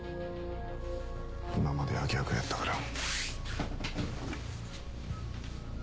今までは逆やったから。